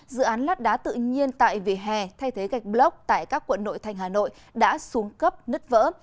dự án lát đá tự nhiên tại vỉa hè thay thế gạch block tại các quận nội thành hà nội đã xuống cấp nứt vỡ